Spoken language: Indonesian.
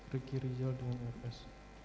regi rijal dengan fs